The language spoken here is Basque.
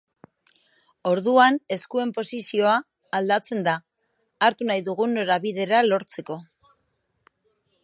Orduan eskuen posizioa aldatzen da, hartu nahi dugun norabidera lortzeko.